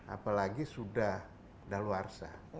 apalagi sudah dalawarsa